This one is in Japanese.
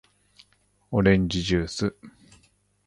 おれんじじゅーす